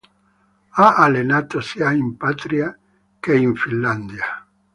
Ha allenato sia in patria che in Finlandia.